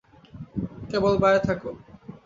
কেবল বায়ে থাক।